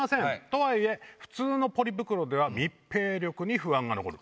とはいえ普通のポリ袋では密閉力に不安が残る。